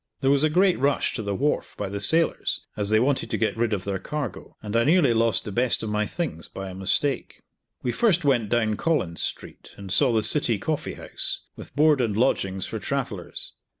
There was a great rush to the wharf by the sailors, as they wanted to get rid of their cargo, and I nearly lost the best of my things by a mistake. We first went down Collins street, and saw the City Coffee House, with board and lodgings for travellers.